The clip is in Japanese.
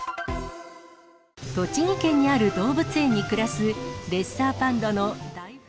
栃木県にある動物園に暮らすレッサーパンダの。